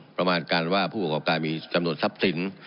ประมาณการว่าผู้ประกอบการมีจำนวนทรัพย์สิน